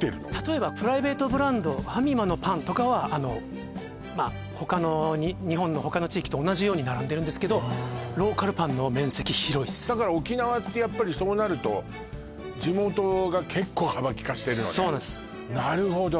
例えばプライベートブランドファミマのパンとかは他の日本の他の地域と同じように並んでるんですけどローカルパンの面積広いです沖縄ってやっぱりそうなるとそうなんですなるほど